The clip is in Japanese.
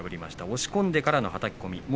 押し込んでからのはたき込みです。